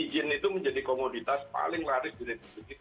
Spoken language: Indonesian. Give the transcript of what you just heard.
ijin itu menjadi komoditas paling laris di negeri